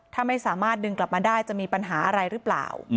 ถ้าไม่สามารถดึงกลับมาได้จะมีปัญหาอะไรหรือเปล่า